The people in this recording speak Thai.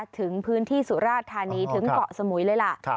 ถึงพื้นที่สุราธานีถึงเกาะสมุยเลยล่ะ